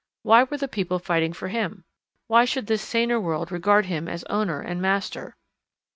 Why were the people fighting for him? Why should this saner world regard him as Owner and Master?